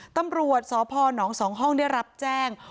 ตำรวจสพน๒ห้องได้รับแจ้ง